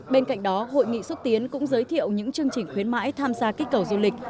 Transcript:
bên cạnh đó hội nghị xúc tiến cũng giới thiệu những chương trình khuyến mãi tham gia kích cầu du lịch